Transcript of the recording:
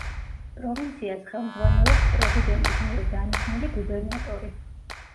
პროვინციას ხელმძღვანელობს პრეზიდენტის მიერ დანიშნული გუბერნატორი.